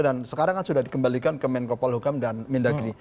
dan sekarang kan sudah dikembalikan ke menko polhukam dan mendagri